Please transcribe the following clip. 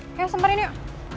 oke sempetin yuk